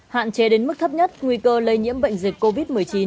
hạn chế đến mức thấp nhất nguy cơ lây nhiễm bệnh dịch covid một mươi chín